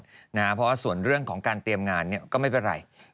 เพราะว่าส่วนเรื่องของการเตรียมงานก็ไม่เป็นไร